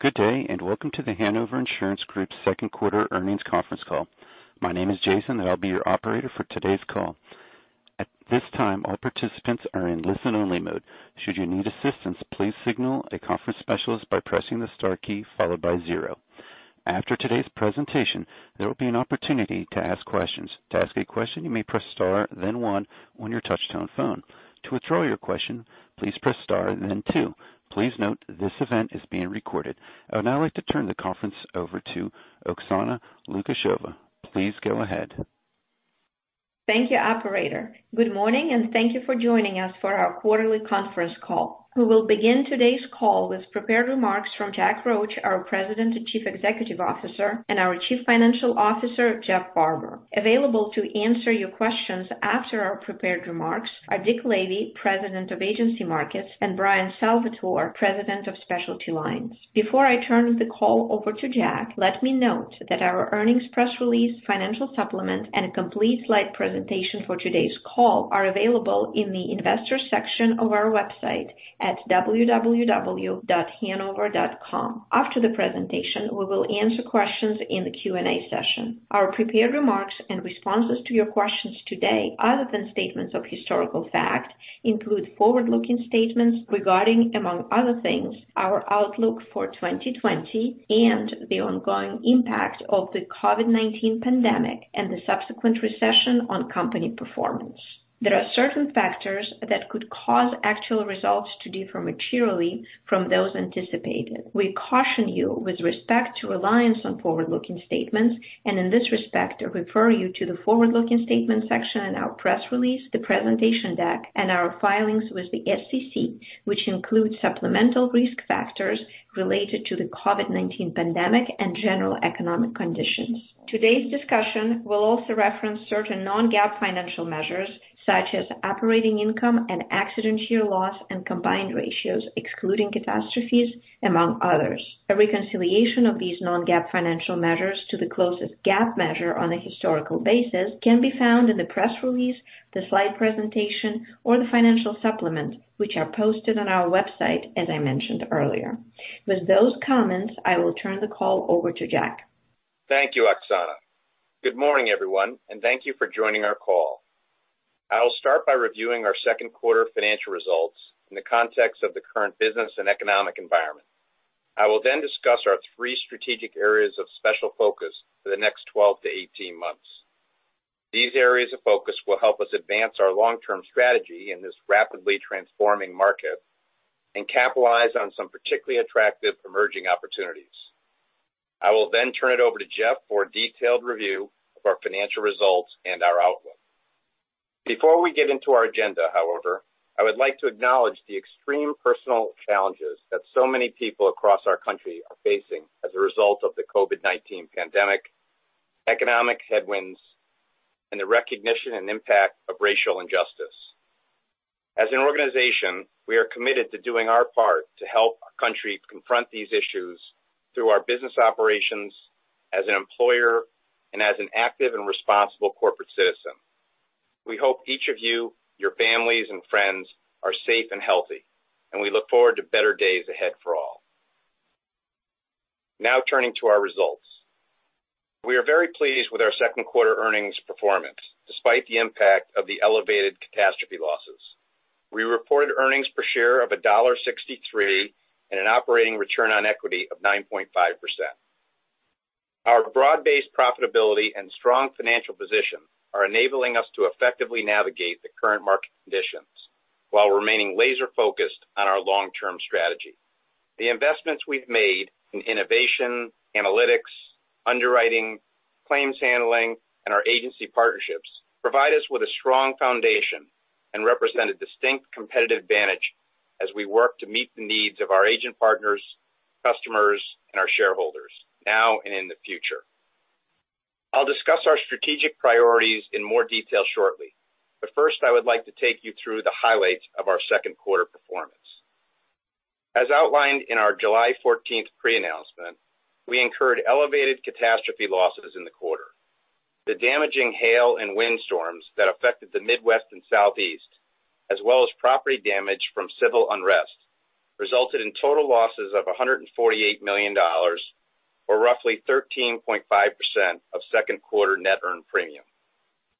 Good day, welcome to The Hanover Insurance Group second quarter earnings conference call. My name is Jason, and I'll be your operator for today's call. At this time, all participants are in listen-only mode. Should you need assistance, please signal a conference specialist by pressing the star key followed by zero. After today's presentation, there will be an opportunity to ask questions. To ask a question, you may press star then one on your touch-tone phone. To withdraw your question, please press star and then two. Please note this event is being recorded. I would now like to turn the conference over to Oksana Lukasheva. Please go ahead. Thank you, operator. Good morning, thank you for joining us for our quarterly conference call. We will begin today's call with prepared remarks from Jack Roche, our President and Chief Executive Officer, and our Chief Financial Officer, Jeff Farber. Available to answer your questions after our prepared remarks are Dick Lavey, President of Agency Markets, and Bryan Salvatore, President of Specialty Lines. Before I turn the call over to Jack, let me note that our earnings press release, financial supplement, and a complete slide presentation for today's call are available in the Investors section of our website at www.hanover.com. After the presentation, we will answer questions in the Q&A session. Our prepared remarks and responses to your questions today, other than statements of historical fact, include forward-looking statements regarding, among other things, our outlook for 2020 and the ongoing impact of the COVID-19 pandemic and the subsequent recession on company performance. There are certain factors that could cause actual results to differ materially from those anticipated. We caution you with respect to reliance on forward-looking statements, and in this respect, I refer you to the Forward-Looking Statements section in our press release, the presentation deck, and our filings with the SEC, which include supplemental risk factors related to the COVID-19 pandemic and general economic conditions. Today's discussion will also reference certain non-GAAP financial measures such as operating income and accident year loss and combined ratios, excluding catastrophes, among others. A reconciliation of these non-GAAP financial measures to the closest GAAP measure on a historical basis can be found in the press release, the slide presentation, or the financial supplement, which are posted on our website, as I mentioned earlier. With those comments, I will turn the call over to Jack. Thank you, Oksana. Good morning, everyone, and thank you for joining our call. I will start by reviewing our second quarter financial results in the context of the current business and economic environment. I will then discuss our three strategic areas of special focus for the next 12 to 18 months. These areas of focus will help us advance our long-term strategy in this rapidly transforming market and capitalize on some particularly attractive emerging opportunities. I will then turn it over to Jeff for a detailed review of our financial results and our outlook. Before we get into our agenda, however, I would like to acknowledge the extreme personal challenges that so many people across our country are facing as a result of the COVID-19 pandemic, economic headwinds, and the recognition and impact of racial injustice. As an organization, we are committed to doing our part to help our country confront these issues through our business operations, as an employer, and as an active and responsible corporate citizen. We hope each of you, your families, and friends are safe and healthy. Turning to our results. We are very pleased with our second quarter earnings performance despite the impact of the elevated catastrophe losses. We reported earnings per share of $1.63 and an operating return on equity of 9.5%. Our broad-based profitability and strong financial position are enabling us to effectively navigate the current market conditions while remaining laser-focused on our long-term strategy. The investments we've made in innovation, analytics, underwriting, claims handling, and our agency partnerships provide us with a strong foundation and represent a distinct competitive advantage as we work to meet the needs of our agent partners, customers, and our shareholders now and in the future. I'll discuss our strategic priorities in more detail shortly. First, I would like to take you through the highlights of our second quarter performance. As outlined in our July 14th pre-announcement, we incurred elevated catastrophe losses in the quarter. The damaging hail and wind storms that affected the Midwest and Southeast, as well as property damage from civil unrest, resulted in total losses of $148 million, or roughly 13.5% of second quarter net earned premium.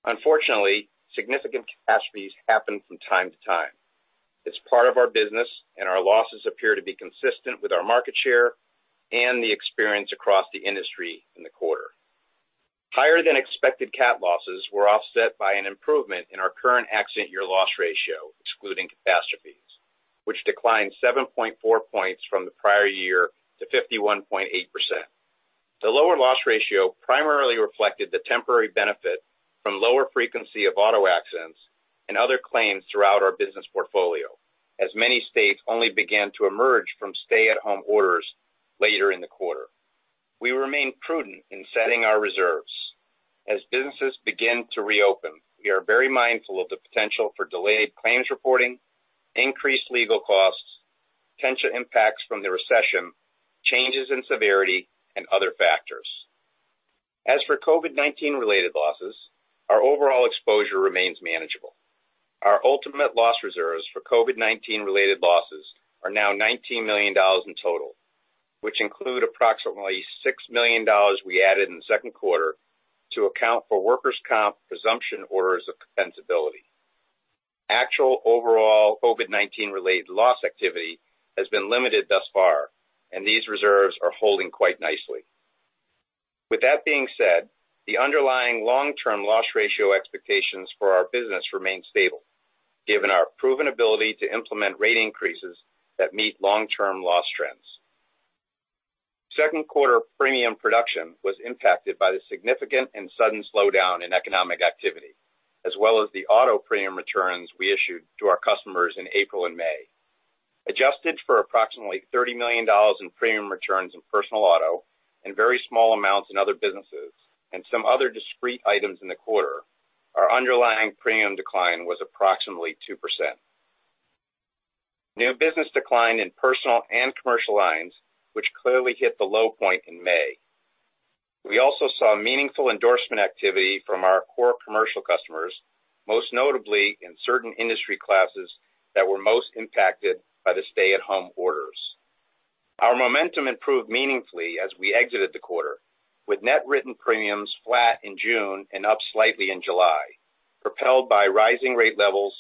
Unfortunately, significant catastrophes happen from time to time. It's part of our business. Our losses appear to be consistent with our market share and the experience across the industry in the quarter. Higher than expected cat losses were offset by an improvement in our current accident year loss ratio, excluding catastrophes, which declined 7.4 points from the prior year to 51.8%. The lower loss ratio primarily reflected the temporary benefit from lower frequency of auto accidents and other claims throughout our business portfolio, as many states only began to emerge from stay-at-home orders later in the quarter. We remain prudent in setting our reserves. As businesses begin to reopen, we are very mindful of the potential for delayed claims reporting, increased legal costs, potential impacts from the recession, changes in severity, and other factors. As for COVID-19 related losses, our overall exposure remains manageable. Our ultimate loss reserves for COVID-19 related losses are now $19 million in total, which include approximately $6 million we added in the second quarter to account for workers' comp presumption orders of compensability. Actual overall COVID-19 related loss activity has been limited thus far, and these reserves are holding quite nicely. With that being said, the underlying long-term loss ratio expectations for our business remain stable given our proven ability to implement rate increases that meet long-term loss trends. Second quarter premium production was impacted by the significant and sudden slowdown in economic activity, as well as the auto premium returns we issued to our customers in April and May. Adjusted for approximately $30 million in premium returns in personal auto and very small amounts in other businesses and some other discrete items in the quarter, our underlying premium decline was approximately 2%. New business declined in personal and commercial lines, which clearly hit the low point in May. We also saw meaningful endorsement activity from our core commercial customers, most notably in certain industry classes that were most impacted by the stay-at-home orders. Our momentum improved meaningfully as we exited the quarter, with net written premiums flat in June and up slightly in July, propelled by rising rate levels,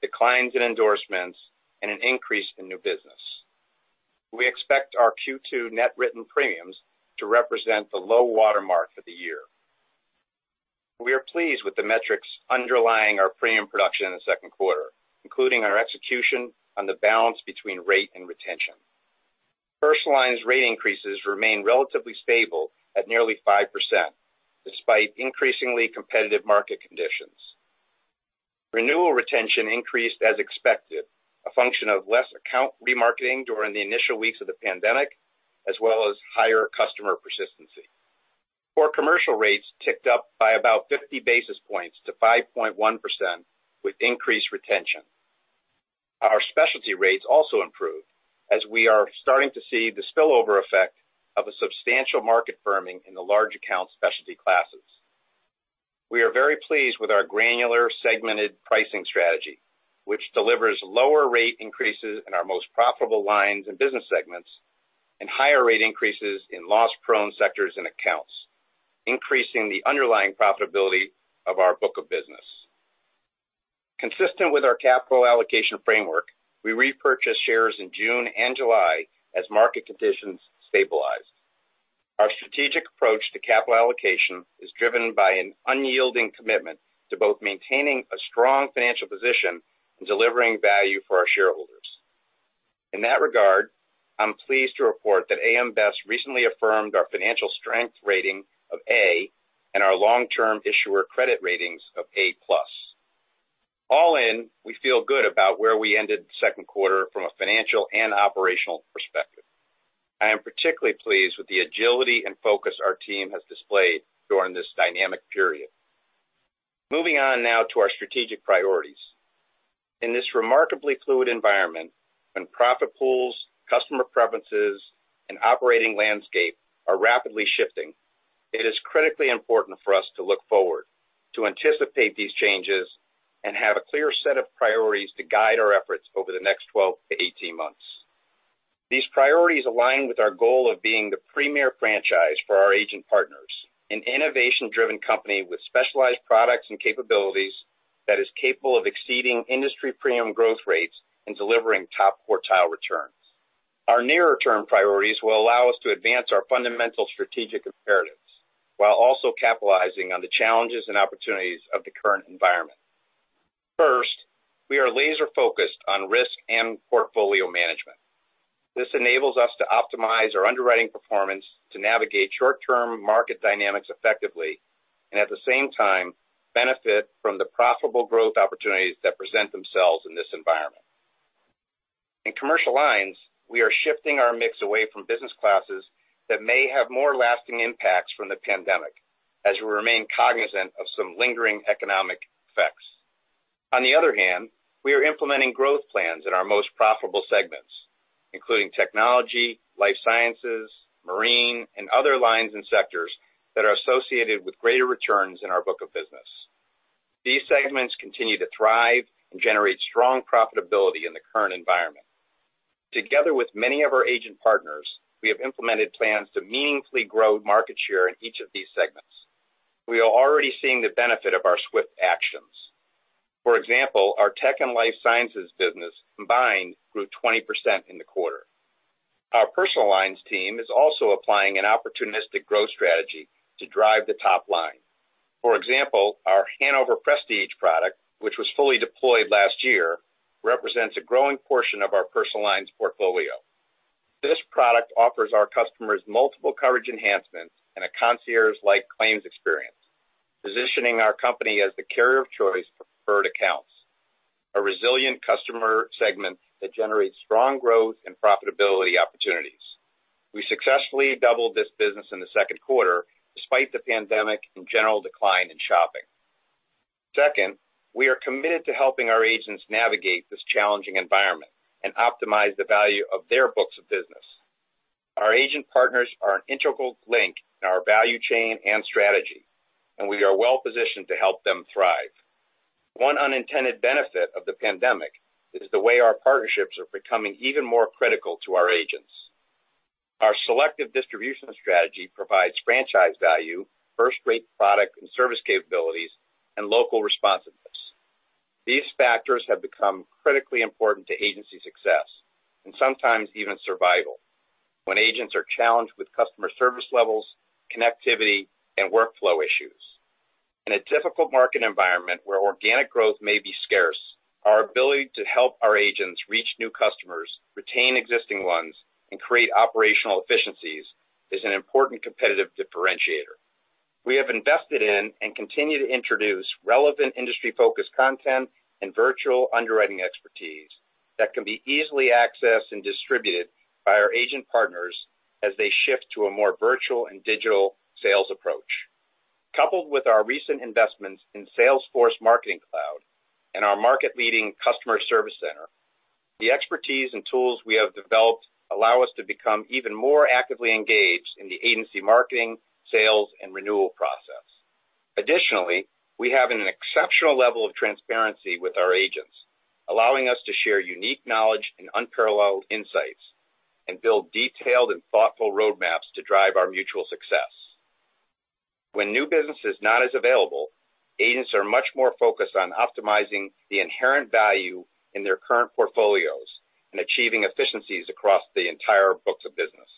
declines in endorsements, and an increase in new business. We expect our Q2 net written premiums to represent the low watermark for the year. We are pleased with the metrics underlying our premium production in the second quarter, including our execution on the balance between rate and retention. Personal lines rate increases remain relatively stable at nearly 5%, despite increasingly competitive market conditions. Renewal retention increased as expected, a function of less account remarketing during the initial weeks of the pandemic, as well as higher customer persistency. Core commercial rates ticked up by about 50 basis points to 5.1% with increased retention. Our specialty rates also improved as we are starting to see the spillover effect of a substantial market firming in the large account specialty classes. We are very pleased with our granular segmented pricing strategy, which delivers lower rate increases in our most profitable lines and business segments and higher rate increases in loss-prone sectors and accounts, increasing the underlying profitability of our book of business. Consistent with our capital allocation framework, we repurchased shares in June and July as market conditions stabilized. Our strategic approach to capital allocation is driven by an unyielding commitment to both maintaining a strong financial position and delivering value for our shareholders. In that regard, I'm pleased to report that AM Best recently affirmed our financial strength rating of A and our long-term issuer credit ratings of A+. All in, we feel good about where we ended the second quarter from a financial and operational perspective. I am particularly pleased with the agility and focus our team has displayed during this dynamic period. Moving on now to our strategic priorities. In this remarkably fluid environment, when profit pools, customer preferences, and operating landscape are rapidly shifting, it is critically important for us to look forward to anticipate these changes and have a clear set of priorities to guide our efforts over the next 12 to 18 months. These priorities align with our goal of being the premier franchise for our agent partners, an innovation-driven company with specialized products and capabilities that is capable of exceeding industry premium growth rates and delivering top quartile returns. Our nearer-term priorities will allow us to advance our fundamental strategic imperatives while also capitalizing on the challenges and opportunities of the current environment. First, we are laser-focused on risk and portfolio management. This enables us to optimize our underwriting performance to navigate short-term market dynamics effectively and at the same time benefit from the profitable growth opportunities that present themselves in this environment. In commercial lines, we are shifting our mix away from business classes that may have more lasting impacts from the pandemic as we remain cognizant of some lingering economic effects. On the other hand, we are implementing growth plans in our most profitable segments, including technology, life sciences, marine, and other lines and sectors that are associated with greater returns in our book of business. These segments continue to thrive and generate strong profitability in the current environment. Together with many of our agent partners, we have implemented plans to meaningfully grow market share in each of these segments. We are already seeing the benefit of our swift actions. For example, our tech and life sciences business combined grew 20% in the quarter. Our personal lines team is also applying an opportunistic growth strategy to drive the top line. For example, our Hanover Prestige product, which was fully deployed last year, represents a growing portion of our personal lines portfolio. This product offers our customers multiple coverage enhancements and a concierge-like claims experience, positioning our company as the carrier of choice for preferred accounts, a resilient customer segment that generates strong growth and profitability opportunities. We successfully doubled this business in the second quarter despite the pandemic and general decline in shopping. Second, we are committed to helping our agents navigate this challenging environment and optimize the value of their books of business. Our agent partners are an integral link in our value chain and strategy, and we are well-positioned to help them thrive. One unintended benefit of the pandemic is the way our partnerships are becoming even more critical to our agents. Our selective distribution strategy provides franchise value, first-rate product and service capabilities, and local responsiveness. These factors have become critically important to agency success, and sometimes even survival, when agents are challenged with customer service levels, connectivity, and workflow issues. In a difficult market environment where organic growth may be scarce, our ability to help our agents reach new customers, retain existing ones, and create operational efficiencies is an important competitive differentiator. We have invested in and continue to introduce relevant industry-focused content and virtual underwriting expertise that can be easily accessed and distributed by our agent partners as they shift to a more virtual and digital sales approach. Coupled with our recent investments in Salesforce Marketing Cloud and our market-leading customer service center, the expertise and tools we have developed allow us to become even more actively engaged in the agency marketing, sales, and renewal process. Additionally, we have an exceptional level of transparency with our agents, allowing us to share unique knowledge and unparalleled insights, and build detailed and thoughtful roadmaps to drive our mutual success. When new business is not as available, agents are much more focused on optimizing the inherent value in their current portfolios and achieving efficiencies across the entire books of business.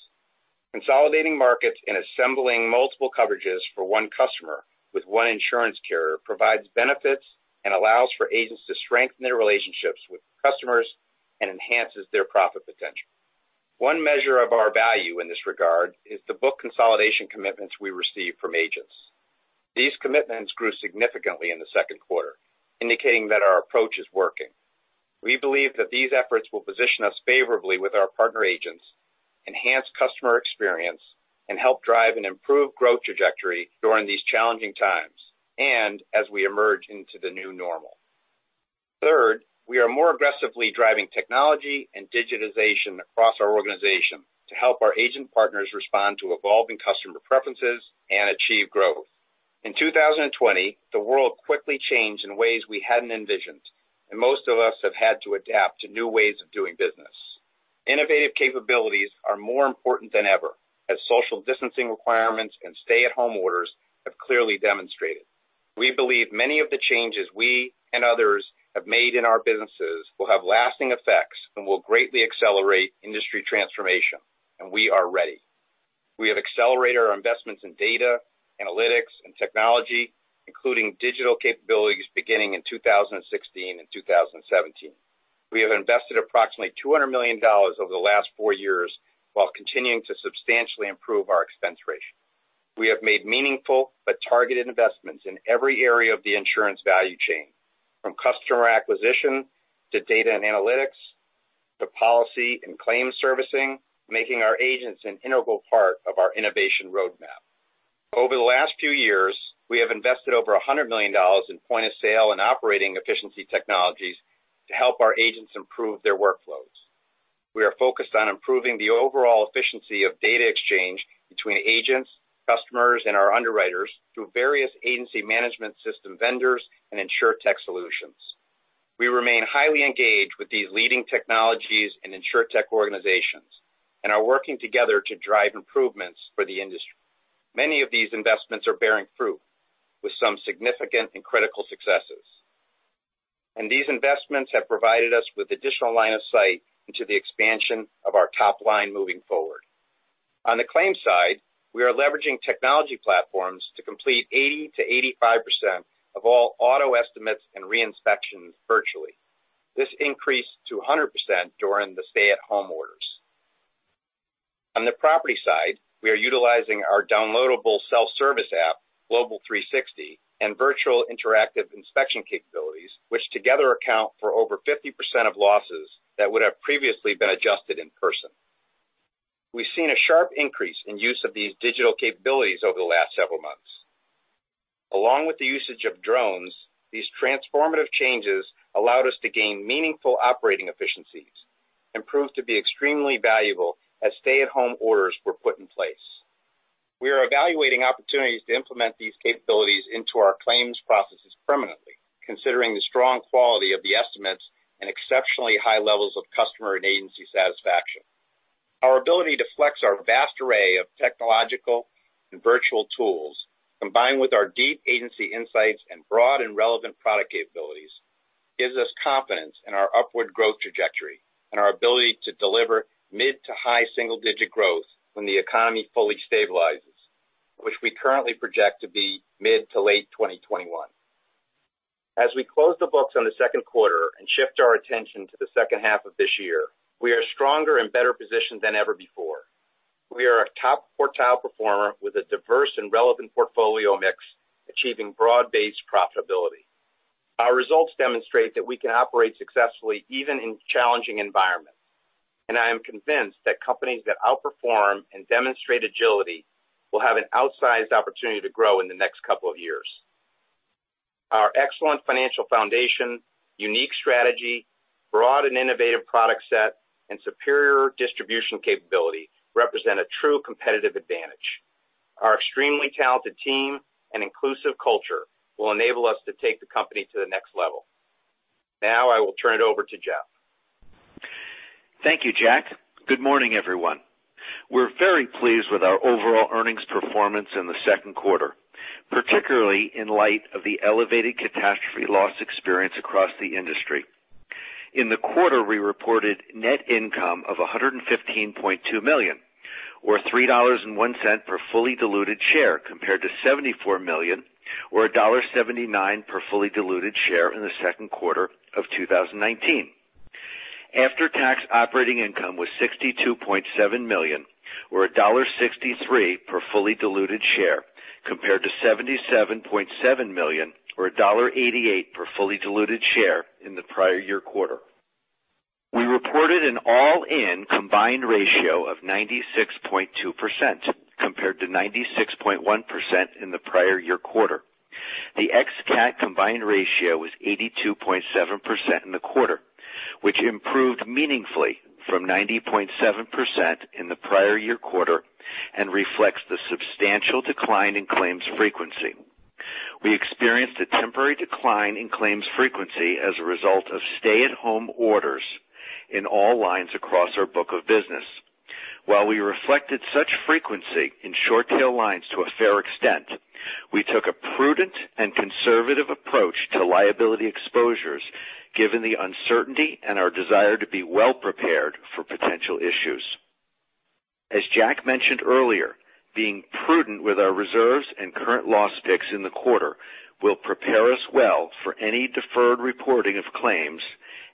Consolidating markets and assembling multiple coverages for one customer with one insurance carrier provides benefits and allows for agents to strengthen their relationships with customers and enhances their profit potential. One measure of our value in this regard is the book consolidation commitments we receive from agents. These commitments grew significantly in the second quarter, indicating that our approach is working. We believe that these efforts will position us favorably with our partner agents, enhance customer experience, and help drive an improved growth trajectory during these challenging times and as we emerge into the new normal. Third, we are more aggressively driving technology and digitization across our organization to help our agent partners respond to evolving customer preferences and achieve growth. In 2020, the world quickly changed in ways we hadn't envisioned, and most of us have had to adapt to new ways of doing business. Innovative capabilities are more important than ever as social distancing requirements and stay-at-home orders have clearly demonstrated. We believe many of the changes we and others have made in our businesses will have lasting effects and will greatly accelerate industry transformation, and we are ready. We have accelerated our investments in data, analytics, and technology, including digital capabilities, beginning in 2016 and 2017. We have invested approximately $200 million over the last four years while continuing to substantially improve our expense ratio. We have made meaningful but targeted investments in every area of the insurance value chain, from customer acquisition to data and analytics, to policy and claims servicing, making our agents an integral part of our innovation roadmap. Over the last few years, we have invested over $100 million in point-of-sale and operating efficiency technologies to help our agents improve their workflows. We are focused on improving the overall efficiency of data exchange between agents, customers, and our underwriters through various agency management system vendors and insurtech solutions. We remain highly engaged with these leading technologies and insurtech organizations and are working together to drive improvements for the industry. Many of these investments are bearing fruit with some significant and critical successes. These investments have provided us with additional line of sight into the expansion of our top line moving forward. On the claims side, we are leveraging technology platforms to complete 80%-85% of all auto estimates and re-inspections virtually. This increased to 100% during the stay-at-home orders. On the property side, we are utilizing our downloadable self-service app, Global 360, and virtual interactive inspection capabilities, which together account for over 50% of losses that would have previously been adjusted in person. We've seen a sharp increase in use of these digital capabilities over the last several months. Along with the usage of drones, these transformative changes allowed us to gain meaningful operating efficiencies and proved to be extremely valuable as stay-at-home orders were put in place. We are evaluating opportunities to implement these capabilities into our claims processes permanently, considering the strong quality of the estimates and exceptionally high levels of customer and agency satisfaction. Our ability to flex our vast array of technological and virtual tools, combined with our deep agency insights and broad and relevant product capabilities, gives us confidence in our upward growth trajectory and our ability to deliver mid to high single-digit growth when the economy fully stabilizes, which we currently project to be mid to late 2021. As we close the books on the second quarter and shift our attention to the second half of this year, we are stronger and better positioned than ever before. We are a top quartile performer with a diverse and relevant portfolio mix, achieving broad-based profitability. Our results demonstrate that we can operate successfully even in challenging environments. I am convinced that companies that outperform and demonstrate agility will have an outsized opportunity to grow in the next couple of years. Our excellent financial foundation, unique strategy, broad and innovative product set, and superior distribution capability represent a true competitive advantage. Our extremely talented team and inclusive culture will enable us to take the company to the next level. Now I will turn it over to Jeff. Thank you, Jack. Good morning, everyone. We are very pleased with our overall earnings performance in the second quarter, particularly in light of the elevated catastrophe loss experience across the industry. In the quarter, we reported net income of $115.2 million, or $3.01 per fully diluted share, compared to $74 million, or $1.79 per fully diluted share in the second quarter of 2019. After-tax operating income was $62.7 million, or $1.63 per fully diluted share, compared to $77.7 million, or $1.88 per fully diluted share in the prior year quarter. We reported an all-in combined ratio of 96.2%, compared to 96.1% in the prior year quarter. The ex-CAT combined ratio was 82.7% in the quarter, which improved meaningfully from 90.7% in the prior year quarter and reflects the substantial decline in claims frequency. We experienced a temporary decline in claims frequency as a result of stay-at-home orders in all lines across our book of business. While we reflected such frequency in short-tail lines to a fair extent, we took a prudent and conservative approach to liability exposures given the uncertainty and our desire to be well-prepared for potential issues. As Jack mentioned earlier, being prudent with our reserves and current loss picks in the quarter will prepare us well for any deferred reporting of claims,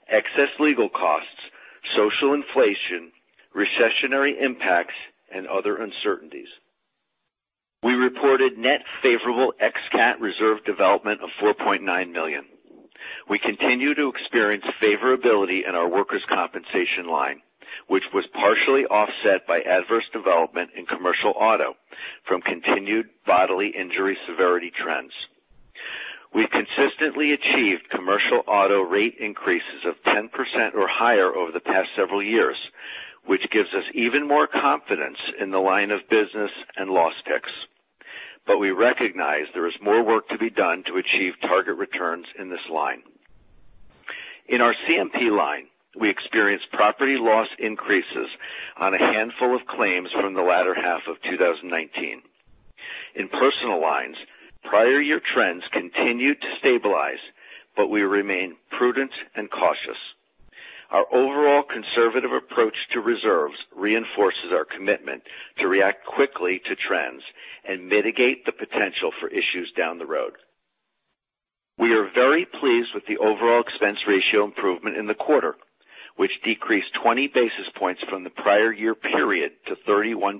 excess legal costs, social inflation, recessionary impacts, and other uncertainties. We reported net favorable ex-CAT reserve development of $4.9 million. We continue to experience favorability in our workers' compensation line, which was partially offset by adverse development in commercial auto from continued bodily injury severity trends. We've consistently achieved commercial auto rate increases of 10% or higher over the past several years, which gives us even more confidence in the line of business and loss ticks. But we recognize there is more work to be done to achieve target returns in this line. In our CMP line, we experienced property loss increases on a handful of claims from the latter half of 2019. In personal lines, prior year trends continued to stabilize, but we remain prudent and cautious. Our overall conservative approach to reserves reinforces our commitment to react quickly to trends and mitigate the potential for issues down the road. We are very pleased with the overall expense ratio improvement in the quarter, which decreased 20 basis points from the prior year period to 31.3%,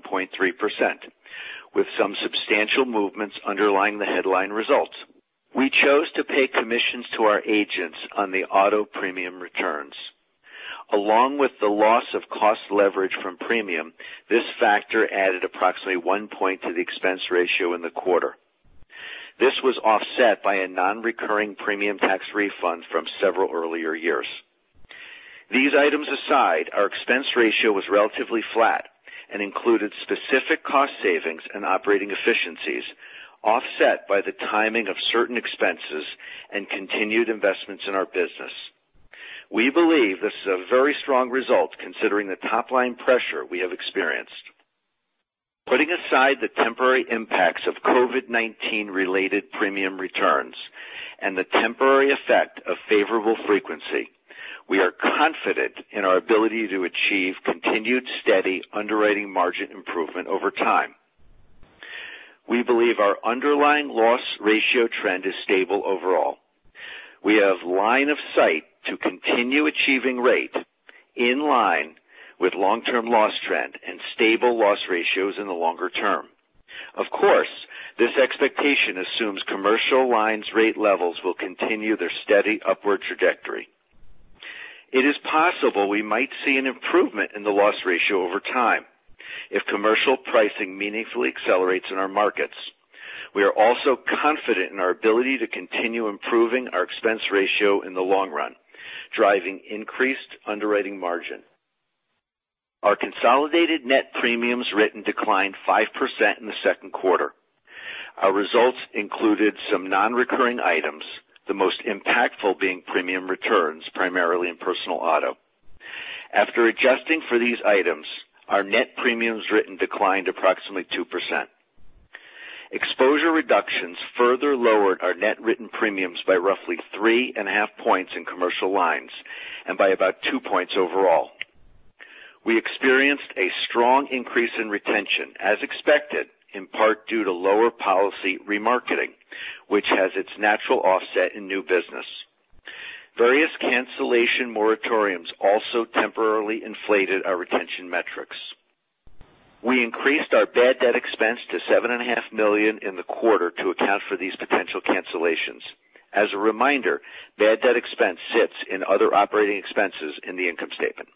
with some substantial movements underlying the headline results. We chose to pay commissions to our agents on the auto premium returns. Along with the loss of cost leverage from premium, this factor added approximately one point to the expense ratio in the quarter. This was offset by a non-recurring premium tax refund from several earlier years. These items aside, our expense ratio was relatively flat and included specific cost savings and operating efficiencies, offset by the timing of certain expenses and continued investments in our business. We believe this is a very strong result considering the top-line pressure we have experienced. Putting aside the temporary impacts of COVID-19-related premium returns and the temporary effect of favorable frequency, we are confident in our ability to achieve continued steady underwriting margin improvement over time. We believe our underlying loss ratio trend is stable overall. We have line of sight to continue achieving rate in line with long-term loss trend and stable loss ratios in the longer term. Of course, this expectation assumes commercial lines rate levels will continue their steady upward trajectory. It is possible we might see an improvement in the loss ratio over time if commercial pricing meaningfully accelerates in our markets. We are also confident in our ability to continue improving our expense ratio in the long run, driving increased underwriting margin. Our consolidated net premiums written declined 5% in the second quarter. Our results included some non-recurring items, the most impactful being premium returns, primarily in personal auto. After adjusting for these items, our net premiums written declined approximately 2%. Exposure reductions further lowered our net written premiums by roughly three and a half points in commercial lines and by about two points overall. We experienced a strong increase in retention, as expected, in part due to lower policy remarketing, which has its natural offset in new business. Various cancellation moratoriums also temporarily inflated our retention metrics. We increased our bad debt expense to $7.5 million in the quarter to account for these potential cancellations. As a reminder, bad debt expense sits in other operating expenses in the income statement.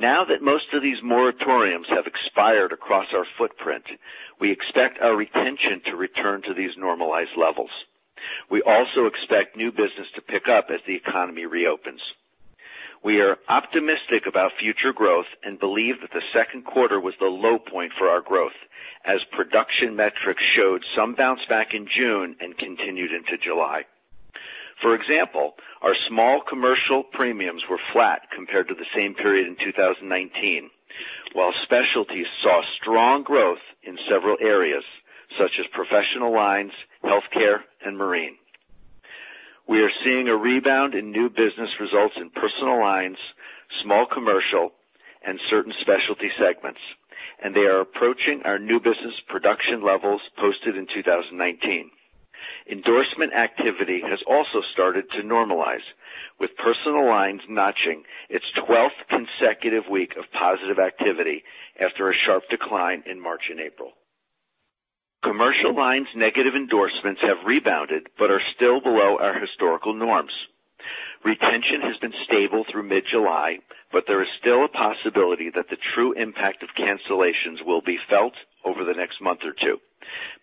Now that most of these moratoriums have expired across our footprint, we expect our retention to return to these normalized levels. We also expect new business to pick up as the economy reopens. We are optimistic about future growth and believe that the second quarter was the low point for our growth as production metrics showed some bounce back in June and continued into July. For example, our small commercial premiums were flat compared to the same period in 2019. While specialties saw strong growth in several areas such as professional lines, healthcare, and marine. We are seeing a rebound in new business results in personal lines, small commercial and certain specialty segments, and they are approaching our new business production levels posted in 2019. Endorsement activity has also started to normalize, with personal lines notching its 12th consecutive week of positive activity after a sharp decline in March and April. Commercial lines' negative endorsements have rebounded but are still below our historical norms. Retention has been stable through mid-July, but there is still a possibility that the true impact of cancellations will be felt over the next month or two,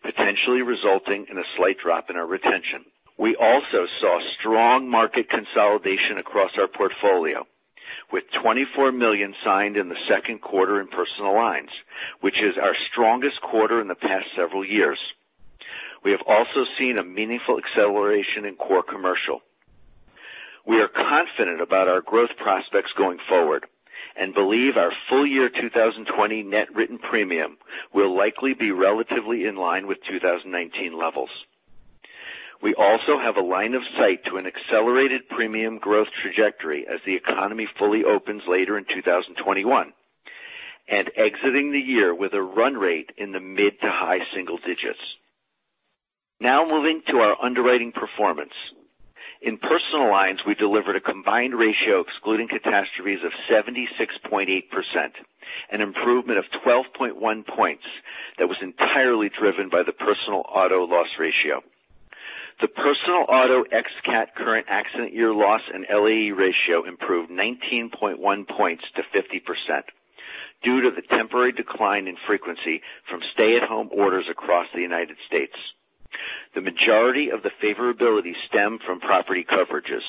potentially resulting in a slight drop in our retention. We also saw strong market consolidation across our portfolio, with $24 million signed in the second quarter in personal lines, which is our strongest quarter in the past several years. We have also seen a meaningful acceleration in core commercial. We are confident about our growth prospects going forward and believe our full year 2020 net written premium will likely be relatively in line with 2019 levels. We also have a line of sight to an accelerated premium growth trajectory as the economy fully opens later in 2021, and exiting the year with a run rate in the mid to high single digits. Moving to our underwriting performance. In personal lines, we delivered a combined ratio excluding catastrophes of 76.8%, an improvement of 12.1 points that was entirely driven by the personal auto loss ratio. The personal auto ex-CAT current accident year loss and LAE ratio improved 19.1 points to 50% due to the temporary decline in frequency from stay-at-home orders across the United States. The majority of the favorability stemmed from property coverages,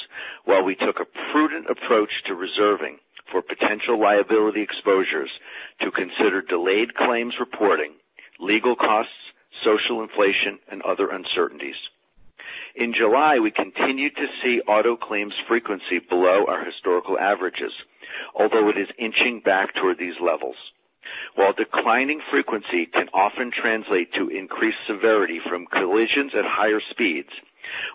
while we took a prudent approach to reserving for potential liability exposures to consider delayed claims reporting, legal costs, social inflation, and other uncertainties. In July, we continued to see auto claims frequency below our historical averages, although it is inching back toward these levels. While declining frequency can often translate to increased severity from collisions at higher speeds,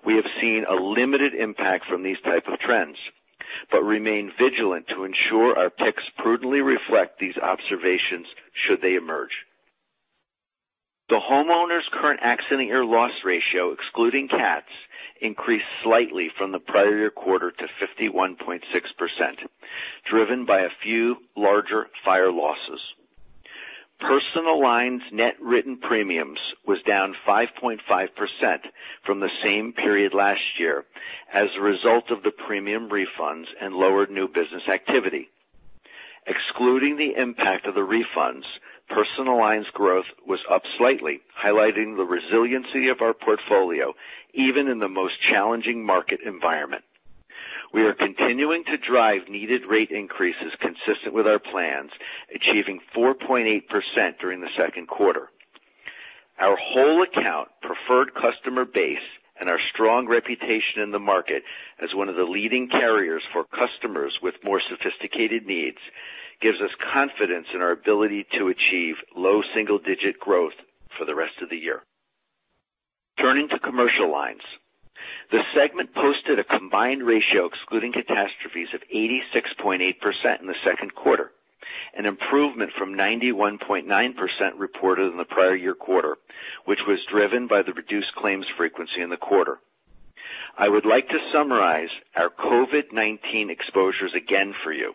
we have seen a limited impact from these type of trends, but remain vigilant to ensure our picks prudently reflect these observations should they emerge. The homeowners' current accident year loss ratio, excluding CATs, increased slightly from the prior year quarter to 51.6%, driven by a few larger fire losses. Personal lines' net written premiums was down 5.5% from the same period last year as a result of the premium refunds and lower new business activity. Excluding the impact of the refunds, personal lines growth was up slightly, highlighting the resiliency of our portfolio even in the most challenging market environment. We are continuing to drive needed rate increases consistent with our plans, achieving 4.8% during the second quarter. Our whole account preferred customer base and our strong reputation in the market as one of the leading carriers for customers with more sophisticated needs gives us confidence in our ability to achieve low single-digit growth for the rest of the year. Turning to commercial lines, the segment posted a combined ratio excluding catastrophes of 86.8% in the second quarter, an improvement from 91.9% reported in the prior year quarter, which was driven by the reduced claims frequency in the quarter. I would like to summarize our COVID-19 exposures again for you.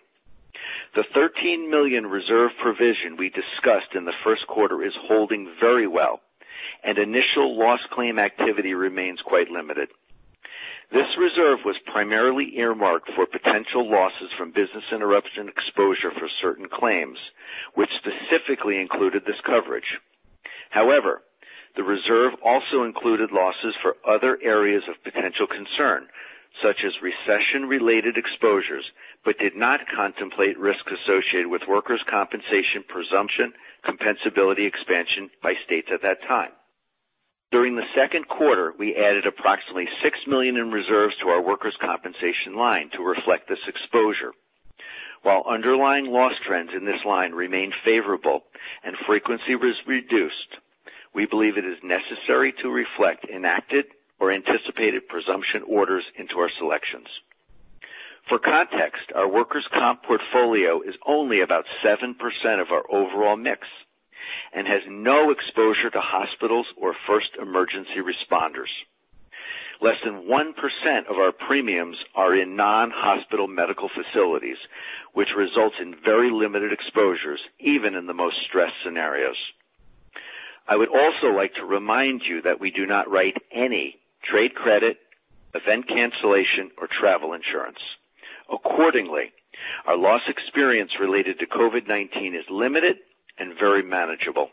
The $13 million reserve provision we discussed in the first quarter is holding very well, and initial loss claim activity remains quite limited. This reserve was primarily earmarked for potential losses from business interruption exposure for certain claims, which specifically included this coverage. However, the reserve also included losses for other areas of potential concern, such as recession-related exposures, but did not contemplate risks associated with workers' compensation presumption compensability expansion by states at that time. During the second quarter, we added approximately $6 million in reserves to our workers' compensation line to reflect this exposure. While underlying loss trends in this line remain favorable and frequency was reduced, we believe it is necessary to reflect enacted or anticipated presumption orders into our selections. For context, our workers' compensation portfolio is only about 7% of our overall mix and has no exposure to hospitals or first emergency responders. Less than 1% of our premiums are in non-hospital medical facilities, which results in very limited exposures, even in the most stressed scenarios. I would also like to remind you that we do not write any trade credit, event cancellation, or travel insurance. Accordingly, our loss experience related to COVID-19 is limited and very manageable.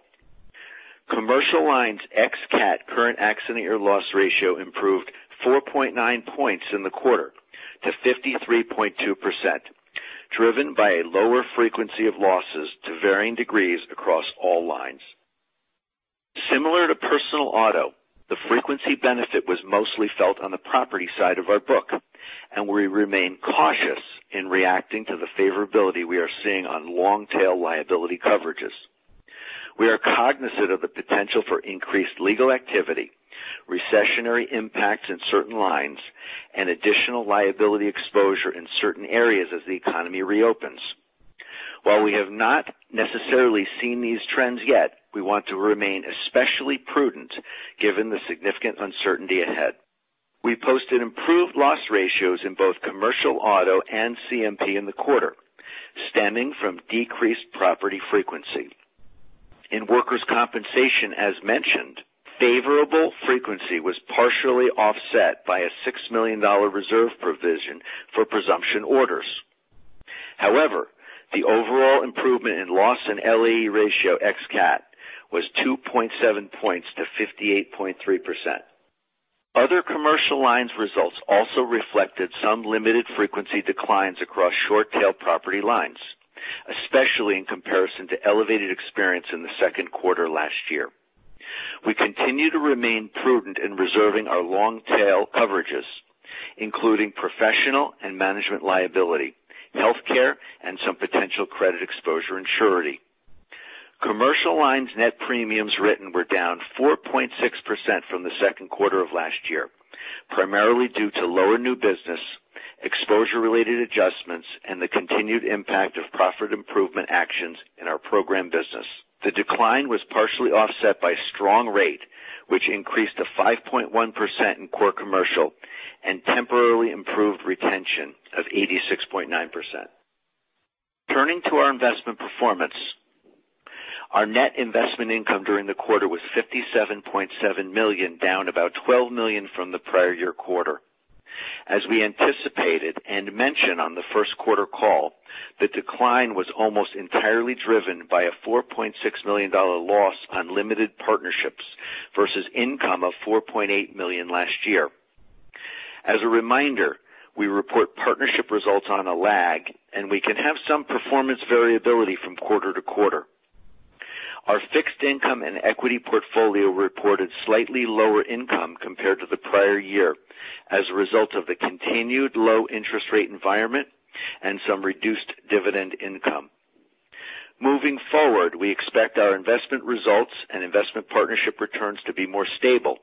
Commercial Lines ex-CAT current accident year loss ratio improved 4.9 points in the quarter to 53.2%, driven by a lower frequency of losses to varying degrees across all lines. Similar to personal auto, the frequency benefit was mostly felt on the property side of our book, and we remain cautious in reacting to the favorability we are seeing on long-tail liability coverages. We are cognizant of the potential for increased legal activity, recessionary impacts in certain lines, and additional liability exposure in certain areas as the economy reopens. While we have not necessarily seen these trends yet, we want to remain especially prudent given the significant uncertainty ahead. We posted improved loss ratios in both commercial auto and CMP in the quarter, stemming from decreased property frequency. In workers' compensation, as mentioned, favorable frequency was partially offset by a $6 million reserve provision for presumption orders. However, the overall improvement in loss and LAE ratio ex-CAT was 2.7 points to 58.3%. Other Commercial Lines results also reflected some limited frequency declines across short-tail property lines, especially in comparison to elevated experience in the second quarter last year. We continue to remain prudent in reserving our long-tail coverages, including professional and management liability, healthcare, and some potential credit exposure and surety. Commercial Lines net premiums written were down 4.6% from the second quarter of last year, primarily due to lower new business, exposure-related adjustments, and the continued impact of profit improvement actions in our program business. The decline was partially offset by strong rate, which increased to 5.1% in core commercial and temporarily improved retention of 86.9%. Turning to our investment performance, our net investment income during the quarter was $57.7 million, down about $12 million from the prior year quarter. As we anticipated and mentioned on the first quarter call, the decline was almost entirely driven by a $4.6 million loss on limited partnerships versus income of $4.8 million last year. As a reminder, we report partnership results on a lag, and we can have some performance variability from quarter to quarter. Our fixed income and equity portfolio reported slightly lower income compared to the prior year as a result of the continued low interest rate environment and some reduced dividend income. Moving forward, we expect our investment results and investment partnership returns to be more stable,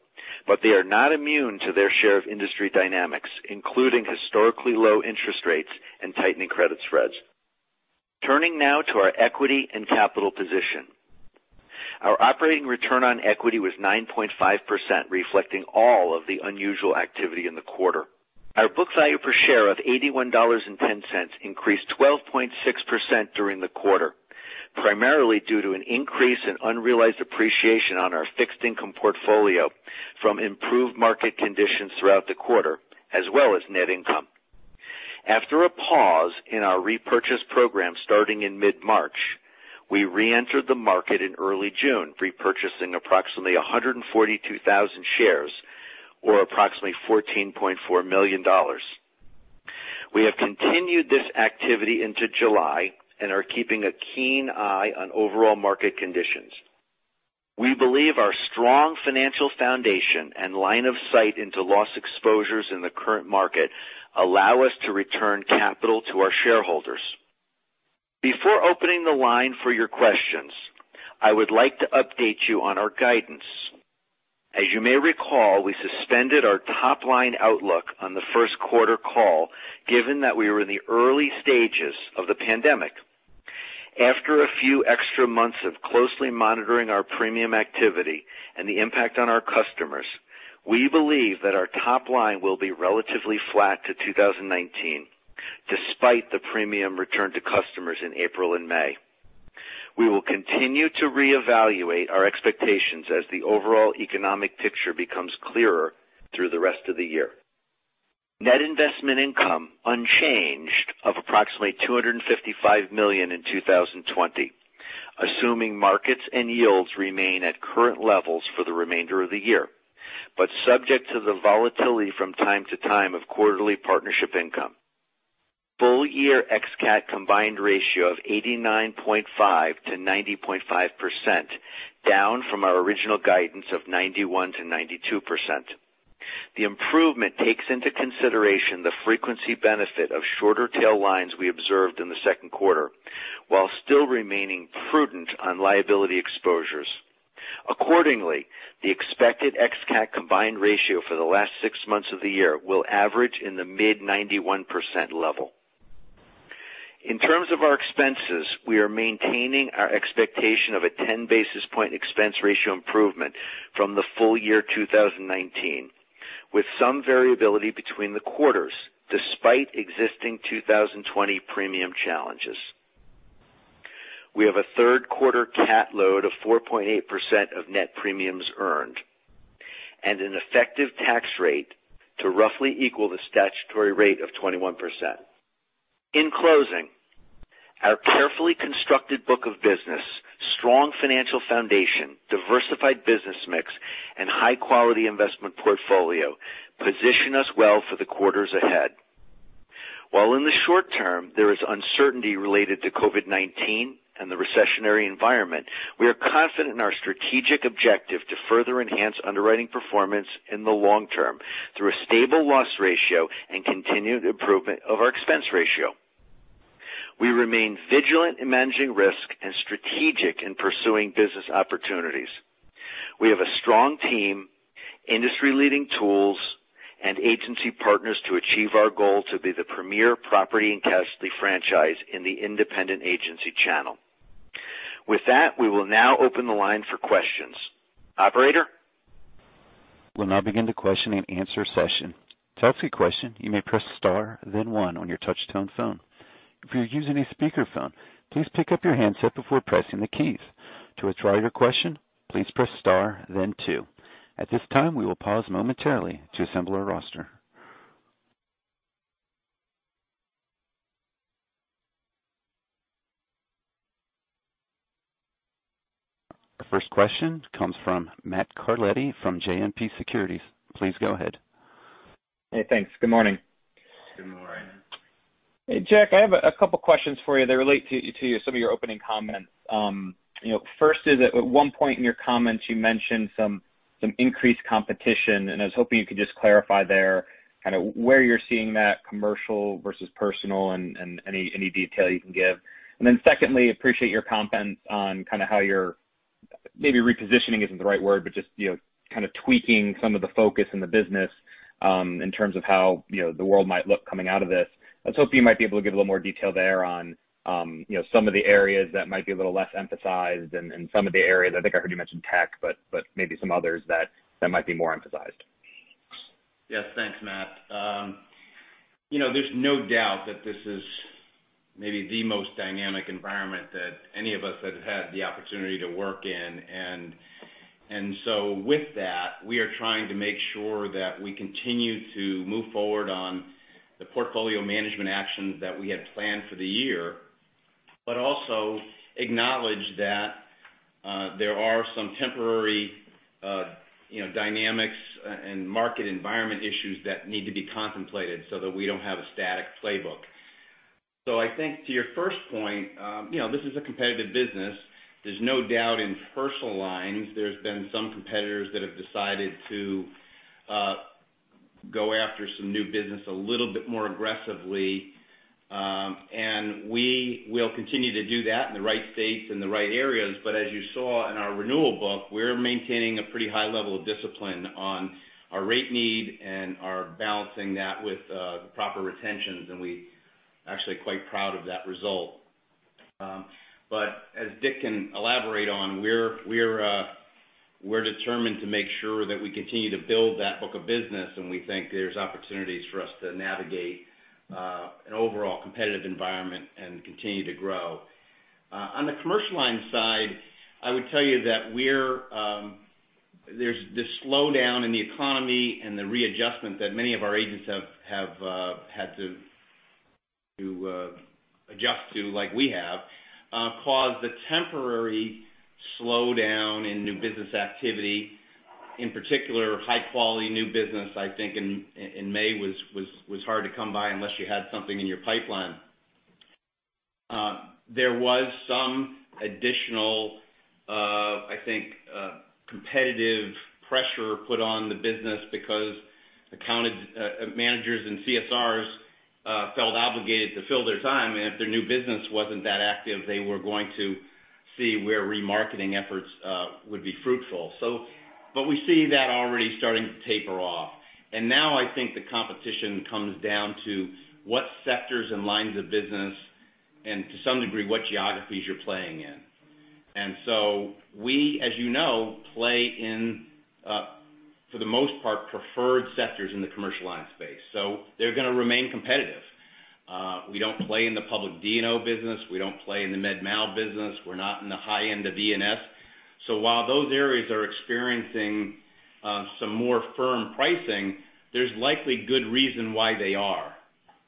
but they are not immune to their share of industry dynamics, including historically low interest rates and tightening credit spreads. Turning now to our equity and capital position. Our operating return on equity was 9.5%, reflecting all of the unusual activity in the quarter. Our book value per share of $81.10 increased 12.6% during the quarter, primarily due to an increase in unrealized appreciation on our fixed income portfolio from improved market conditions throughout the quarter, as well as net income. After a pause in our repurchase program starting in mid-March, we reentered the market in early June, repurchasing approximately 142,000 shares or approximately $14.4 million. We have continued this activity into July and are keeping a keen eye on overall market conditions. We believe our strong financial foundation and line of sight into loss exposures in the current market allow us to return capital to our shareholders. Before opening the line for your questions, I would like to update you on our guidance. As you may recall, we suspended our top-line outlook on the first quarter call given that we were in the early stages of the pandemic. After a few extra months of closely monitoring our premium activity and the impact on our customers, we believe that our top line will be relatively flat to 2019, despite the premium return to customers in April and May. We will continue to reevaluate our expectations as the overall economic picture becomes clearer through the rest of the year. Net investment income unchanged of approximately $255 million in 2020, assuming markets and yields remain at current levels for the remainder of the year, but subject to the volatility from time to time of quarterly partnership income. Full year ex-CAT combined ratio of 89.5%-90.5%, down from our original guidance of 91%-92%. The improvement takes into consideration the frequency benefit of shorter tail lines we observed in the second quarter while still remaining prudent on liability exposures. Accordingly, the expected ex-CAT combined ratio for the last six months of the year will average in the mid-91% level. In terms of our expenses, we are maintaining our expectation of a 10-basis point expense ratio improvement from the full year 2019, with some variability between the quarters, despite existing 2020 premium challenges. We have a third quarter CAT load of 4.8% of net premiums earned and an effective tax rate to roughly equal the statutory rate of 21%. In closing, our carefully constructed book of business, strong financial foundation, diversified business mix, and high-quality investment portfolio position us well for the quarters ahead. While in the short term, there is uncertainty related to COVID-19 and the recessionary environment, we are confident in our strategic objective to further enhance underwriting performance in the long term through a stable loss ratio and continued improvement of our expense ratio. We remain vigilant in managing risk and strategic in pursuing business opportunities. We have a strong team, industry-leading tools, and agency partners to achieve our goal to be the premier property and casualty franchise in the independent agency channel. With that, we will now open the line for questions. Operator? We'll now begin the question and answer session. To ask a question, you may press star then one on your touch-tone phone. If you're using a speakerphone, please pick up your handset before pressing the keys. To withdraw your question, please press star then two. At this time, we will pause momentarily to assemble our roster. The first question comes from Matthew Carletti from JMP Securities. Please go ahead. Hey, thanks. Good morning. Good morning. Hey, Jack. I have a couple questions for you that relate to some of your opening comments. First is, at one point in your comments you mentioned some increased competition, and I was hoping you could just clarify there kind of where you're seeing that commercial versus personal and any detail you can give. Secondly, appreciate your comments on kind of how you're, maybe repositioning isn't the right word, but just kind of tweaking some of the focus in the business, in terms of how the world might look coming out of this. I was hoping you might be able to give a little more detail there on some of the areas that might be a little less emphasized and some of the areas, I think I heard you mention tech, but maybe some others that might be more emphasized. Yes. Thanks, Matt. There's no doubt that this is maybe the most dynamic environment that any of us have had the opportunity to work in. With that, we are trying to make sure that we continue to move forward on the portfolio management actions that we had planned for the year, but also acknowledge that there are some temporary dynamics and market environment issues that need to be contemplated so that we don't have a static playbook. I think to your first point, this is a competitive business. There's no doubt in personal lines, there's been some competitors that have decided to go after some new business a little bit more aggressively. We will continue to do that in the right states and the right areas. As you saw in our renewal book, we're maintaining a pretty high level of discipline on our rate need and are balancing that with proper retentions, and we're actually quite proud of that result. As Dick can elaborate on, we're determined to make sure that we continue to build that book of business, and we think there's opportunities for us to navigate an overall competitive environment and continue to grow. On the commercial line side, I would tell you that there's this slowdown in the economy and the readjustment that many of our agents have had to adjust to like we have, caused a temporary slowdown in new business activity. In particular, high-quality new business, I think in May was hard to come by unless you had something in your pipeline. There was some additional, I think, competitive pressure put on the business because account managers and CSRs felt obligated to fill their time, and if their new business wasn't that active, they were going to see where remarketing efforts would be fruitful. We see that already starting to taper off. Now I think the competition comes down to what sectors and lines of business, and to some degree, what geographies you're playing in. We, as you know, play in, for the most part, preferred sectors in the commercial line space. They're going to remain competitive. We don't play in the public D&O business. We don't play in the med mal business. We're not in the high end of E&S. While those areas are experiencing some more firm pricing, there's likely good reason why they are.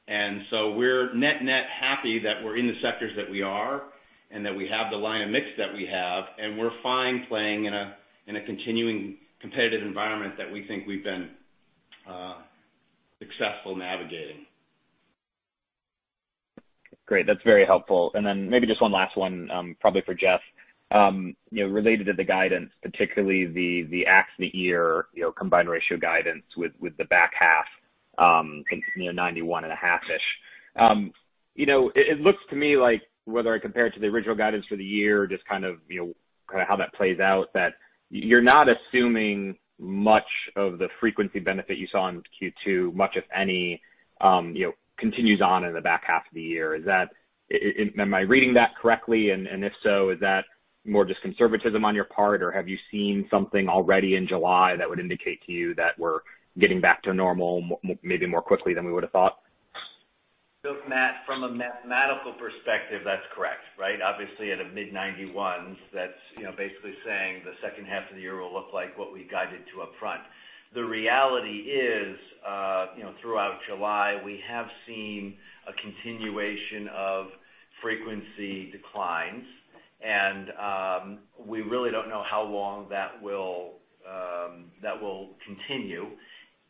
We're net happy that we're in the sectors that we are and that we have the line of mix that we have, and we're fine playing in a continuing competitive environment that we think we've been successful navigating. Great. That's very helpful. Maybe just one last one, probably for Jeff. Related to the guidance, particularly the accident year combined ratio guidance with the back half. 91.5-ish. It looks to me like whether I compare it to the original guidance for the year, just how that plays out, that you're not assuming much of the frequency benefit you saw in Q2, much of any, continues on in the back half of the year. Am I reading that correctly? And if so, is that more just conservatism on your part, or have you seen something already in July that would indicate to you that we're getting back to normal maybe more quickly than we would've thought? Look, Matt, from a mathematical perspective, that's correct. Obviously at a mid 91s, that's basically saying the second half of the year will look like what we guided to upfront. The reality is, throughout July, we have seen a continuation of frequency declines, and we really don't know how long that will continue.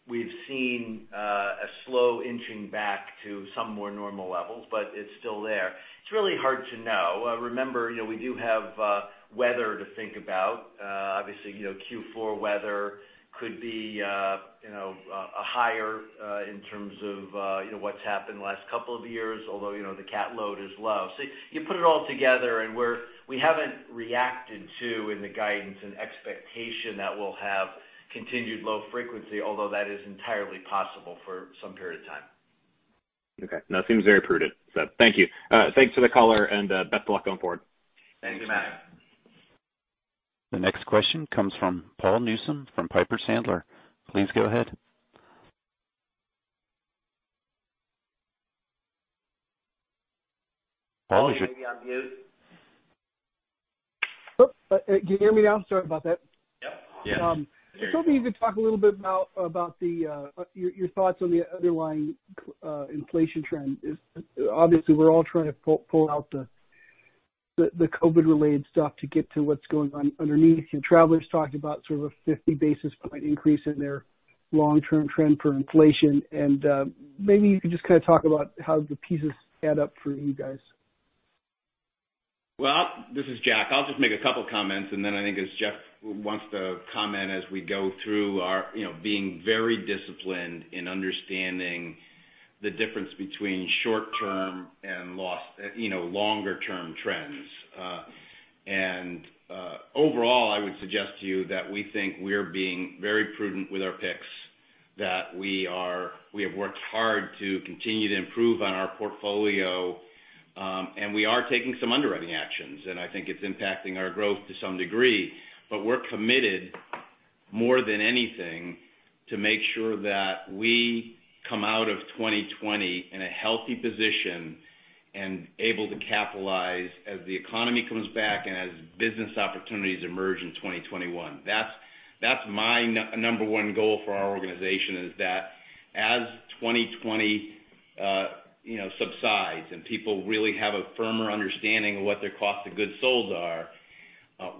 We've seen a slow inching back to some more normal levels, but it's still there. It's really hard to know. Remember, we do have weather to think about. Obviously, Q4 weather could be higher in terms of what's happened the last couple of years, although the CAT load is low. You put it all together and we haven't reacted to, in the guidance and expectation, that we'll have continued low frequency, although that is entirely possible for some period of time. Okay. No, it seems very prudent. Thank you. Thanks for the color and best of luck going forward. Thank you, Matt. The next question comes from Paul Newsome from Piper Sandler. Please go ahead. Paul, are you. Maybe on mute. Oh, can you hear me now? I'm sorry about that. Yep. Yeah. I was hoping you could talk a little bit about your thoughts on the underlying inflation trend. Obviously, we're all trying to pull out the COVID-related stuff to get to what's going on underneath. Travelers talked about sort of a 50 basis point increase in their long-term trend for inflation. Maybe you could just talk about how the pieces add up for you guys. Well, this is Jack. I'll just make a couple comments. Then I think as Jeff wants to comment as we go through our being very disciplined in understanding the difference between short-term and longer-term trends. Overall, I would suggest to you that we think we're being very prudent with our picks, that we have worked hard to continue to improve on our portfolio. We are taking some underwriting actions, and I think it's impacting our growth to some degree. We're committed more than anything to make sure that we come out of 2020 in a healthy position and able to capitalize as the economy comes back and as business opportunities emerge in 2021. That's my number one goal for our organization, is that as 2020 subsides and people really have a firmer understanding of what their cost of goods sold are,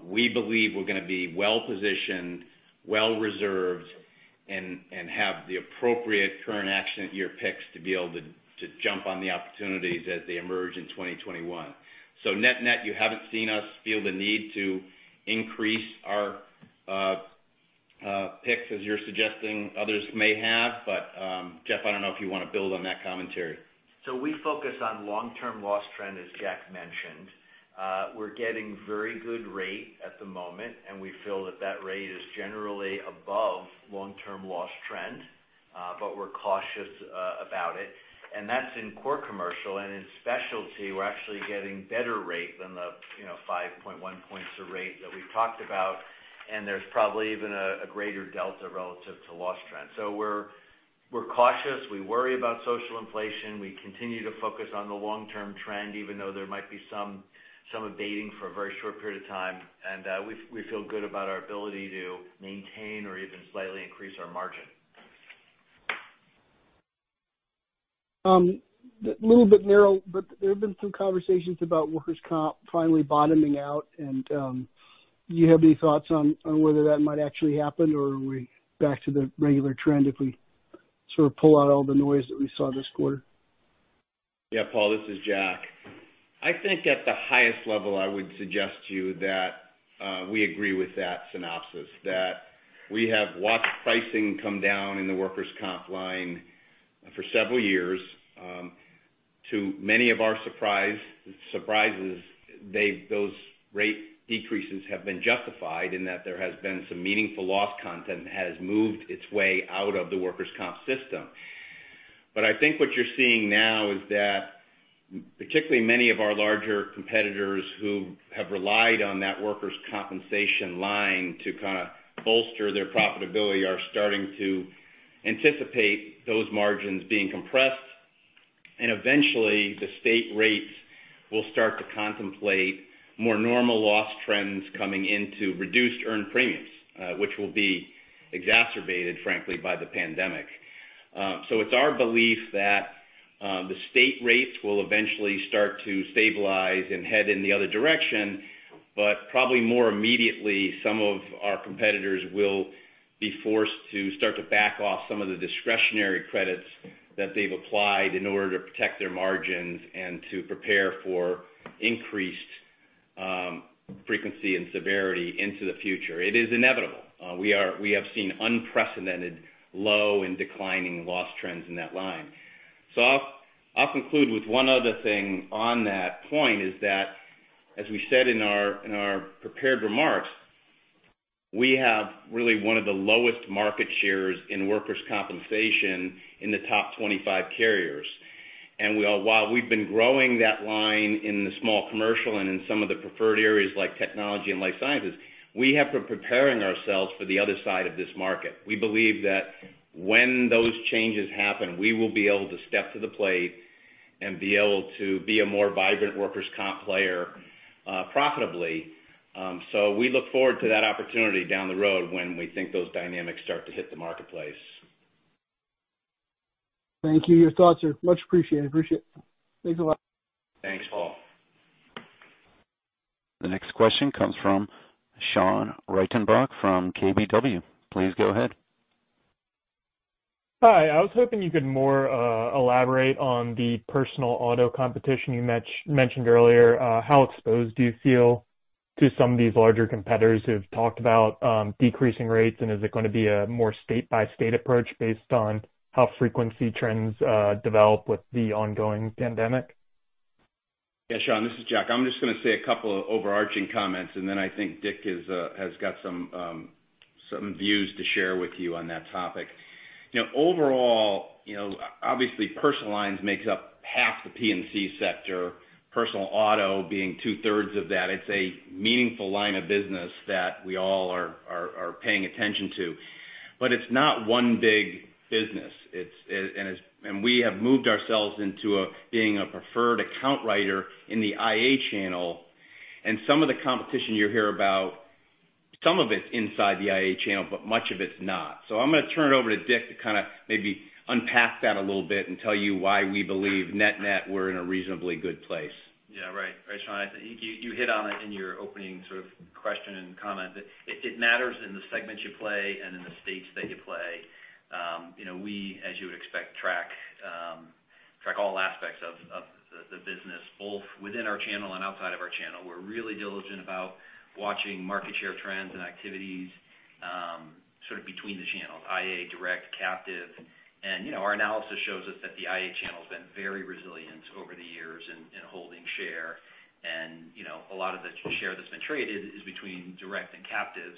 we believe we're going to be well-positioned, well-reserved, and have the appropriate current accident year picks to be able to jump on the opportunities as they emerge in 2021. Net net, you haven't seen us feel the need to increase our picks as you're suggesting others may have. Jeff, I don't know if you want to build on that commentary. We focus on long-term loss trend, as Jack mentioned. We're getting very good rate at the moment, and we feel that that rate is generally above long-term loss trend. We're cautious about it, and that's in core commercial. In specialty, we're actually getting better rate than the 5.1 points to rate that we've talked about, and there's probably even a greater delta relative to loss trend. We're cautious. We worry about social inflation. We continue to focus on the long-term trend, even though there might be some abating for a very short period of time. We feel good about our ability to maintain or even slightly increase our margin. A little bit narrow, but there have been some conversations about workers' comp finally bottoming out. Do you have any thoughts on whether that might actually happen, or are we back to the regular trend if we sort of pull out all the noise that we saw this quarter? Yeah, Paul, this is Jack. I think at the highest level, I would suggest to you that we agree with that synopsis, that we have watched pricing come down in the workers' comp line for several years. To many of our surprises, those rate decreases have been justified in that there has been some meaningful loss content that has moved its way out of the workers' comp system. I think what you're seeing now is that particularly many of our larger competitors who have relied on that workers' compensation line to kind of bolster their profitability are starting to anticipate those margins being compressed. Eventually, the state rates will start to contemplate more normal loss trends coming into reduced earned premiums, which will be exacerbated, frankly, by the pandemic. It's our belief that the state rates will eventually start to stabilize and head in the other direction. Probably more immediately, some of our competitors will be forced to start to back off some of the discretionary credits that they've applied in order to protect their margins and to prepare for increased Frequency and severity into the future. It is inevitable. We have seen unprecedented low and declining loss trends in that line. I'll conclude with one other thing on that point is that, as we said in our prepared remarks, we have really one of the lowest market shares in workers' compensation in the top 25 carriers. While we've been growing that line in the small commercial and in some of the preferred areas like technology and life sciences, we have been preparing ourselves for the other side of this market. We believe that when those changes happen, we will be able to step to the plate and be able to be a more vibrant workers' comp player profitably. We look forward to that opportunity down the road when we think those dynamics start to hit the marketplace. Thank you. Your thoughts are much appreciated. Appreciate it. Thanks a lot. Thanks, Paul. The next question comes from Sean Reitenbach from KBW. Please go ahead. Hi. I was hoping you could more elaborate on the personal auto competition you mentioned earlier. How exposed do you feel to some of these larger competitors who have talked about decreasing rates, and is it going to be a more state-by-state approach based on how frequency trends develop with the ongoing pandemic? Yeah, Sean, this is Jack. I'm just going to say a couple of overarching comments, and then I think Dick has got some views to share with you on that topic. Overall, obviously personal lines makes up half the P&C sector, personal auto being two-thirds of that. It's a meaningful line of business that we all are paying attention to. It's not one big business. We have moved ourselves into being a preferred account writer in the IA channel. Some of the competition you hear about, some of it's inside the IA channel, but much of it's not. I'm going to turn it over to Dick to kind of maybe unpack that a little bit and tell you why we believe net-net, we're in a reasonably good place. Yeah. Right, Sean. I think you hit on it in your opening sort of question and comment. It matters in the segment you play and in the states that you play. We, as you would expect, track all aspects of the business, both within our channel and outside of our channel. We're really diligent about watching market share trends and activities sort of between the channels, IA, direct, captive. Our analysis shows us that the IA channel's been very resilient over the years in holding share. A lot of the share that's been traded is between direct and captives.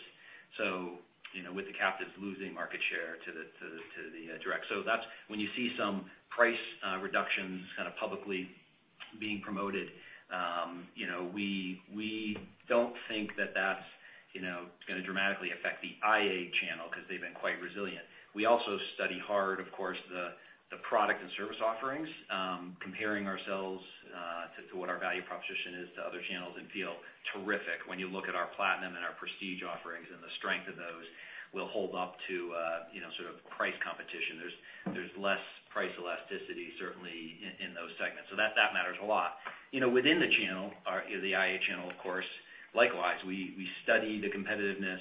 With the captives losing market share to the direct. When you see some price reductions kind of publicly being promoted, we don't think that that's going to dramatically affect the IA channel because they've been quite resilient. We also study hard, of course, the product and service offerings, comparing ourselves to what our value proposition is to other channels and feel terrific when you look at our Hanover Platinum and our Hanover Prestige offerings and the strength of those will hold up to sort of price competition. There's less price elasticity certainly in those segments. That matters a lot. Within the channel, the IA channel, of course, likewise, we study the competitiveness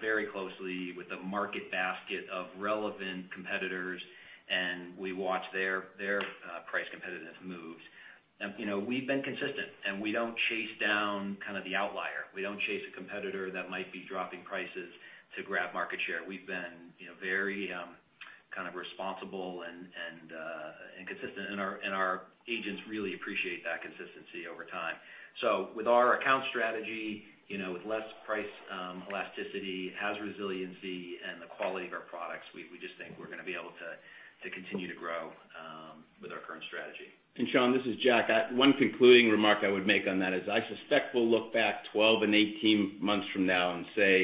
very closely with a market basket of relevant competitors, and we watch their price competitiveness moves. We've been consistent, and we don't chase down kind of the outlier. We don't chase a competitor that might be dropping prices to grab market share. We've been very kind of responsible and consistent, and our agents really appreciate that consistency over time. With our account strategy, with less price elasticity, it has resiliency and the quality of our products. We just think we're going to be able to continue to grow with our current strategy. Sean, this is Jack. One concluding remark I would make on that is I suspect we'll look back 12 and 18 months from now and say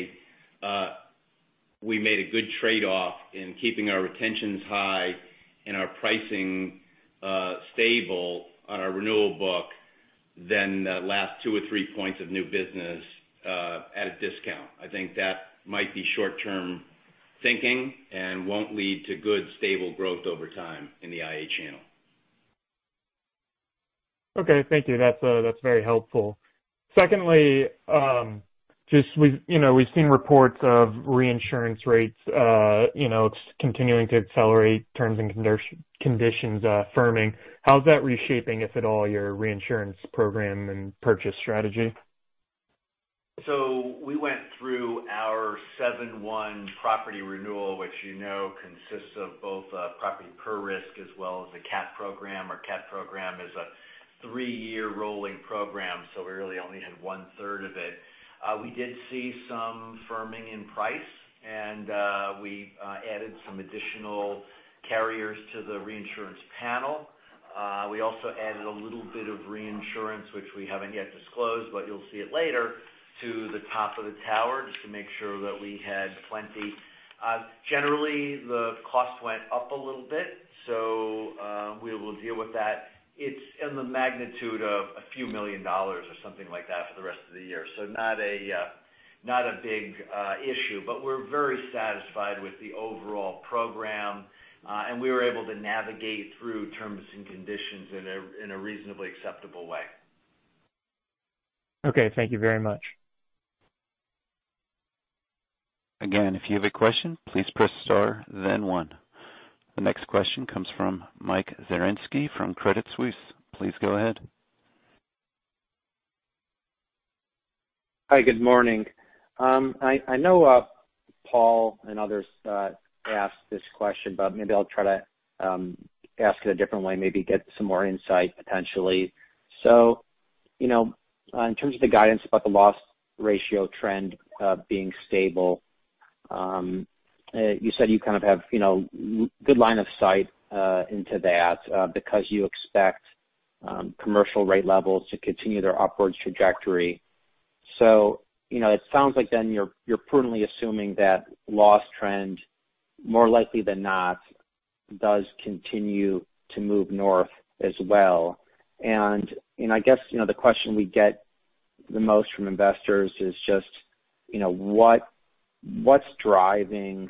we made a good trade-off in keeping our retentions high and our pricing stable on our renewal book than the last two or three points of new business at a discount. I think that might be short-term thinking and won't lead to good stable growth over time in the IA channel. Okay. Thank you. That's very helpful. Secondly, we've seen reports of reinsurance rates continuing to accelerate terms and conditions firming. How's that reshaping, if at all, your reinsurance program and purchase strategy? We went through our 7/1 property renewal, which you know consists of both property per risk as well as the CAT program. Our CAT program is a three-year rolling program, so we really only had one third of it. We did see some firming in price. We also added some additional carriers to the reinsurance panel. We also added a little bit of reinsurance, which we haven't yet disclosed, but you'll see it later, to the top of the tower just to make sure that we had plenty. Generally, the cost went up a little bit. We will deal with that. It's in the magnitude of a few million dollars or something like that for the rest of the year. Not a big issue, but we're very satisfied with the overall program. We were able to navigate through terms and conditions in a reasonably acceptable way. Okay. Thank you very much. Again, if you have a question, please press star then one. The next question comes from Michael Zaremski from Credit Suisse. Please go ahead. Hi, good morning. I know Paul and others asked this question, but maybe I'll try to ask it a different way, maybe get some more insight, potentially. In terms of the guidance about the loss ratio trend being stable, you said you kind of have good line of sight into that because you expect commercial rate levels to continue their upwards trajectory. It sounds like then you're prudently assuming that loss trend, more likely than not, does continue to move north as well. I guess the question we get the most from investors is just what's driving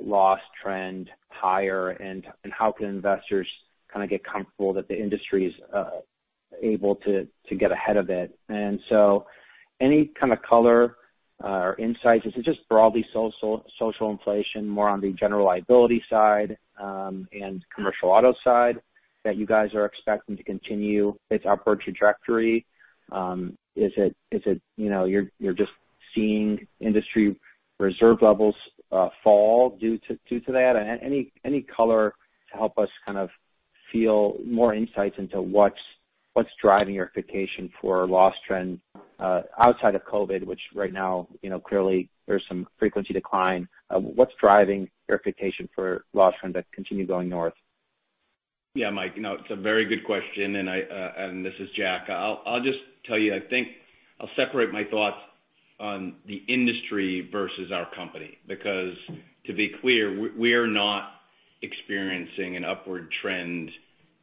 loss trend higher and how can investors kind of get comfortable that the industry's able to get ahead of it? Any kind of color or insights? Is it just broadly social inflation, more on the general liability side, and commercial auto side that you guys are expecting to continue its upward trajectory? You're just seeing industry reserve levels fall due to that? Any color to help us kind of feel more insights into what's driving your expectation for loss trend outside of COVID, which right now clearly there's some frequency decline. What's driving your expectation for loss trend to continue going north? Mike, it's a very good question. This is Jack. I'll just tell you, I think I'll separate my thoughts on the industry versus our company. To be clear, we are not experiencing an upward trend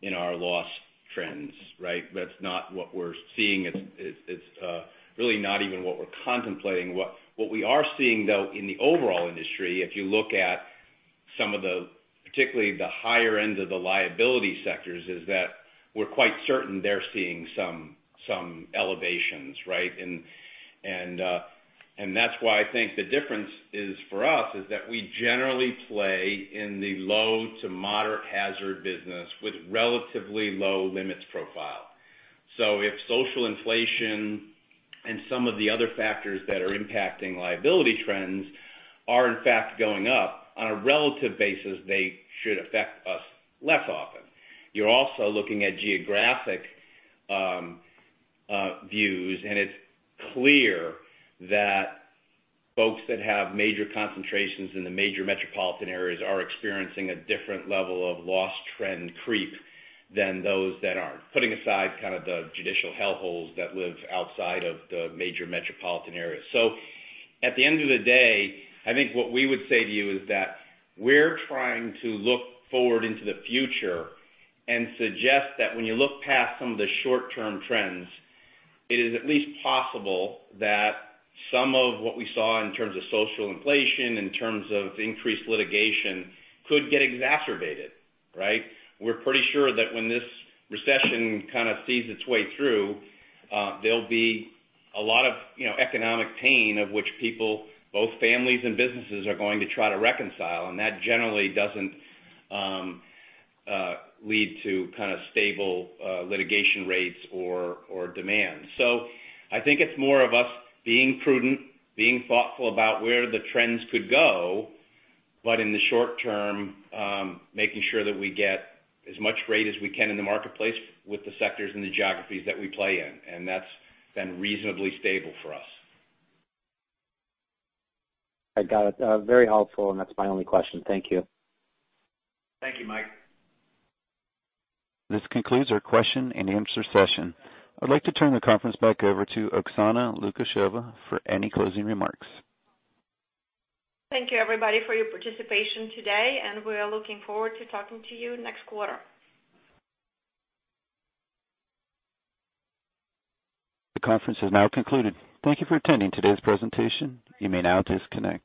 in our loss trends, right. That's not what we're seeing. It's really not even what we're contemplating. What we are seeing, though, in the overall industry, if you look at some of the, particularly the higher end of the liability sectors, is that we're quite certain they're seeing some elevations, right. That's why I think the difference is for us is that we generally play in the low to moderate hazard business with relatively low limits profile. If social inflation and some of the other factors that are impacting liability trends are in fact going up, on a relative basis, they should affect us less often. You're also looking at geographic views, and it's clear that folks that have major concentrations in the major metropolitan areas are experiencing a different level of loss trend creep than those that are putting aside kind of the judicial hellholes that live outside of the major metropolitan areas. At the end of the day, I think what we would say to you is that we're trying to look forward into the future and suggest that when you look past some of the short-term trends, it is at least possible that some of what we saw in terms of social inflation, in terms of increased litigation, could get exacerbated, right. We're pretty sure that when this recession kind of sees its way through, there'll be a lot of economic pain, of which people, both families and businesses, are going to try to reconcile. That generally doesn't lead to kind of stable litigation rates or demand. I think it's more of us being prudent, being thoughtful about where the trends could go, but in the short term, making sure that we get as much rate as we can in the marketplace with the sectors and the geographies that we play in, and that's been reasonably stable for us. I got it. Very helpful. That's my only question. Thank you. Thank you, Mike. This concludes our question and answer session. I'd like to turn the conference back over to Oksana Lukasheva for any closing remarks. Thank you everybody for your participation today, we are looking forward to talking to you next quarter. The conference has now concluded. Thank you for attending today's presentation. You may now disconnect.